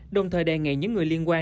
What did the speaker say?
đồng thời đề nghị những người liên quan